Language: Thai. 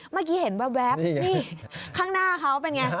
เมื่อกี้เห็นแว๊บนี่ข้างหน้าเขาเป็นไง